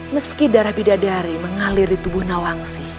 meski darah bidadari mengalir di tubuh nawangsi